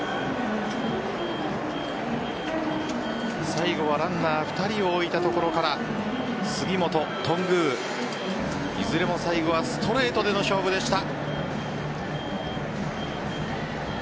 最後はランナー２人を置いたところから杉本、頓宮いずれも最後はストレートでの勝負でした。